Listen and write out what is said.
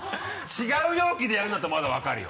違う容器でやるんだったらまだ分かるよ。